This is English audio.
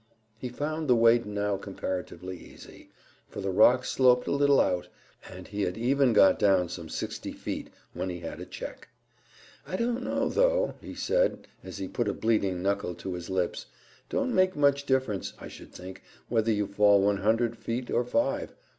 He found the way now comparatively easy, for the rock sloped a little out, and he had even got down some sixty feet when he had a check. "I don't know, though," he said, as he put a bleeding knuckle to his lips. "Don't make much difference, I should think, whether you fall one hundred feet or five.